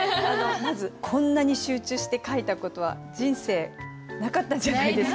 まずこんなに集中して書いた事は人生なかったんじゃないですか？